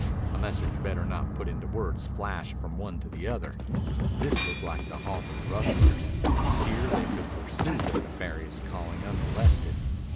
A message better not put into words flashed from one to the other. This looked like the haunt of rustlers. Here they could pursue their nefarious calling unmolested.